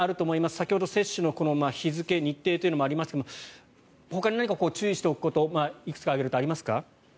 先ほど接種の日付日程というのもありましたがほかに注意しておくことありますか？